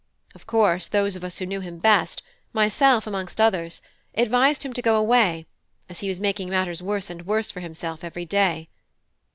Of course, those of us who knew him best myself amongst others advised him to go away, as he was making matters worse and worse for himself every day.